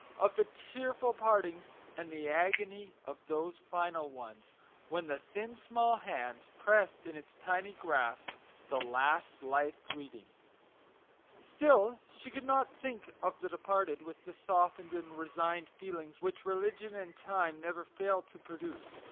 of the tearful partings, and the agony of those final ones, when the thin, small hand, pressed in its tiny grasp the last life greeting ! Still she could think of the departed with the softened and resigned feelings which religion and time never fail to produce.